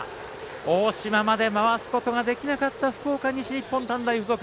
大嶋まで回すことができなかった福岡、西日本短大付属。